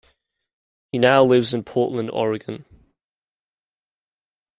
He now lives in Portland, Oregon.